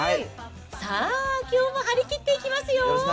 さあ、きょうも張り切っていきますよ。